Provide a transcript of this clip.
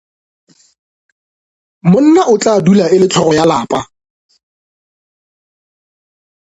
Monna o tla dula e le hlogo ya lapa.